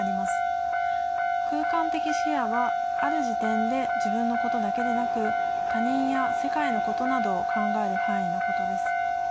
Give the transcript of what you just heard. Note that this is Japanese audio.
空間的視野はある時点で自分のことだけでなく他人や世界のことなどを考える範囲のことです。